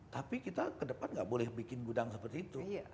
tapi kita kedepan gak boleh bikin gudang seperti itu